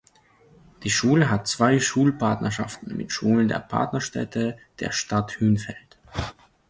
Die Schule hat zwei Schulpartnerschaften mit Schulen der Partnerstädte der Stadt Hünfeld.